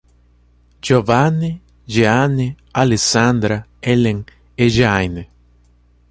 Giovane, Geane, Alessandra, Elen e Jaine